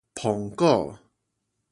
蘋果